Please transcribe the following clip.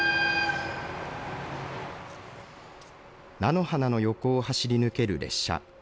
菜の花の横を走り抜ける列車。